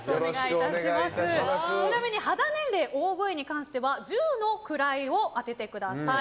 ちなみに肌年齢、大声に関しては十の位を当ててください。